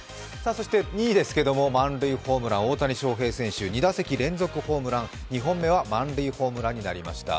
そして２位ですけども満塁ホームラン、大谷選手２打席連続ホームラン、２本目は満塁ホームランになりました。